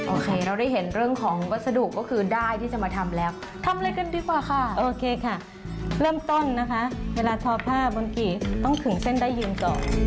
โอเคเราได้เห็นเรื่องของวัสดุก็คือได้ที่จะมาทำแล้วทำอะไรกันดีกว่าค่ะโอเคค่ะเริ่มต้นนะคะเวลาทอผ้าบางทีต้องถึงเส้นได้ยืนก่อน